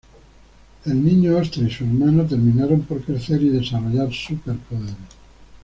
El niño-ostra y su hermano terminaron por crecer y desarrollar super poderes.